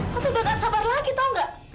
tante udah gak sabar lagi tau gak